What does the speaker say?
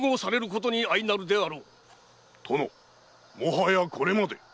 殿もはやこれまで。